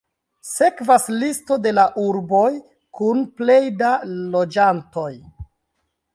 Sekvas listo de la urboj kun plej da loĝantoj.